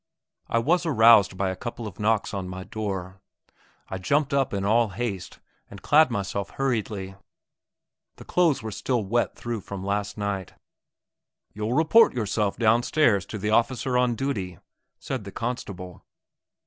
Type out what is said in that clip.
I was aroused by a couple of knocks on my door. I jumped up in all haste, and clad myself hurriedly; my clothes were still wet through from last night. "You'll report yourself downstairs to the officer on duty," said the constable.